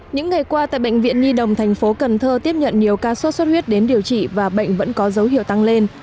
những ngày qua tại bệnh viện nhi đồng thành phố cần thơ tiếp nhận nhiều ca sốt xuất huyết đến điều trị và bệnh vẫn có dấu hiệu tăng lên